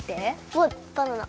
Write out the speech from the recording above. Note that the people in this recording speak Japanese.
わっバナナ！